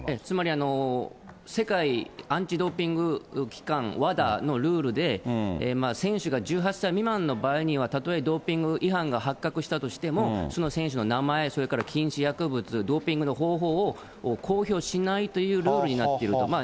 つまり、世界アンチドーピング機関・ＷＡＤＡのルールで、選手が１８歳未満の場合には、たとえドーピング違反が発覚したとしても、その選手の名前それから禁止薬物、ドーピングの方法を公表しないというルールになっていると。